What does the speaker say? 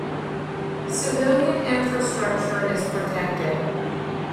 Civilian infrastructure is protected.